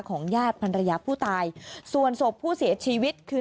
ญาติพันรยาผู้ตายส่วนศพผู้เสียชีวิตคือ